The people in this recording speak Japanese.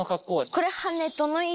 これ。